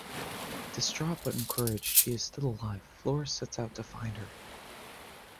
Distraught but encouraged she is still alive, Floris sets out to find her.